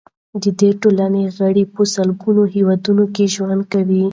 د دې ټولنې غړي په سلګونو هیوادونو کې ژوند کوي.